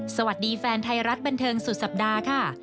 สวัสดีแฟนไทยรัฐบันเทิงสุดสัปดาห์ค่ะ